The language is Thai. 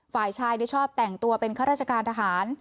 ฝ่ายชายชอบแต่งตัวเป็นข้าราชการทหาร